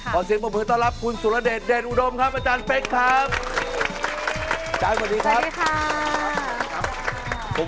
ขอเสียงบ่มเวลาต้อนรับคุณสุรเดชเดชอุดมครับอาจารย์เฟ็กซ์ครับ